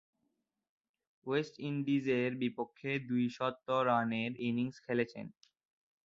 West ইন্ডিজের বিপক্ষে দুইটি শতরানের ইনিংস খেলেছেন।